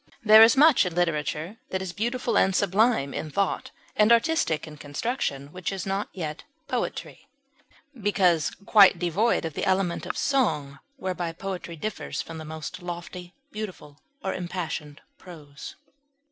There is much in literature that is beautiful and sublime in thought and artistic in construction, which is yet not poetry, because quite devoid of the element of song, whereby poetry differs from the most lofty, beautiful, or impassioned prose.